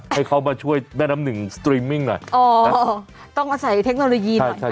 ให้เขามาช่วยแม่น้ำหนึ่งน่ะอ๋อต้องมาใส่เทคโนโลยีหน่อยนะ